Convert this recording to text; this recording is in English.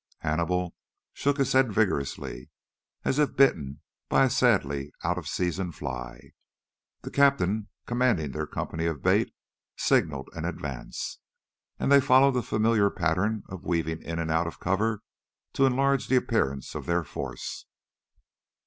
Hannibal shook his head vigorously, as if bitten by a sadly out of season fly. The captain commanding their company of bait signaled an advance. And they followed the familiar pattern of weaving in and out of cover to enlarge the appearance of their force.